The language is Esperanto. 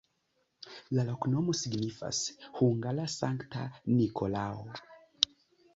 La loknomo signifas: hungara-Sankta Nikolao.